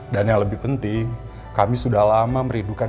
dan yang lebih penting kami sudah lama meridukan